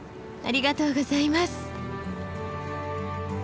ありがとうございます。